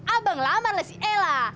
abang lamarlah si ella